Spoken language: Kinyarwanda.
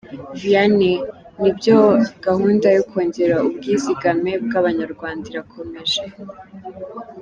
Vianney: Nibyo gahunda yo kongera ubwizigame bw’Abanyarwanda irakomeje.